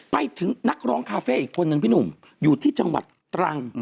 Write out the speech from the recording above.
ไปถึงนักร้องคาเฟ่อีกคนนึงพี่หนุ่มอยู่ที่จังหวัดตรัง